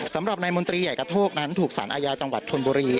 สำหรับนายมนตรีใหญ่กระโทกนั้นถูกสารอาญาจังหวัดธนบุรี